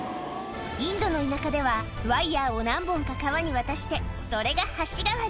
インドの田舎ではワイヤを何本か川に渡してそれが橋代わり